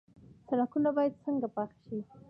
سړکونه باید څنګه پاخه شي؟